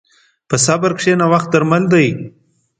په صبر کښېنه، وخت درمل دی.